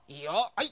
はい。